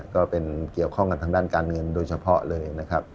ก็เป็นเกี่ยวข้องกันทางด้านการเงินโดยเฉพาะเลยนะครับ